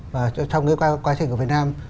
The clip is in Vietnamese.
và trong cái quá trình của việt nam